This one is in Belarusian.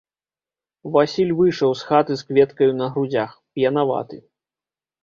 Васіль выйшаў з хаты з кветкаю на грудзях, п'янаваты.